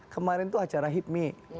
kemarin itu acara hipmi